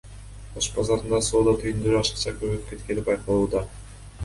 Ош базарында соода түйүндөрү ашыкча көбөйүп кеткени байкалууда.